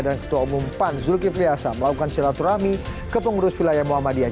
dan ketua umum pan zulkifli asam melakukan silaturahmi kepengurus wilayah muhammadiyah